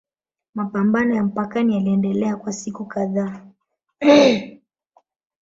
Mapambano ya mpakani yaliendelea kwa siku kadhaa